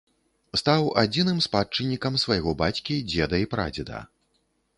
Стаў адзіным спадчыннікам свайго бацькі, дзеда і прадзеда.